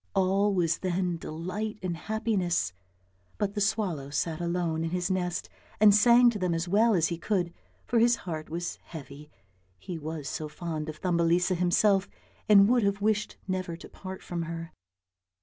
All was then delight and happiness, but the swallow sat alone in his nest and sang to them as well as he could, for his heart was heavy, he was so fond of Thumbelisa himself, and would have wished never to part from her.